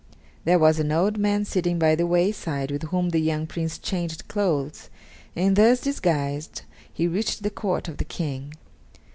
There was an old man sitting by the wayside with whom the young Prince changed clothes, and, thus disguised, he reached the court of the King.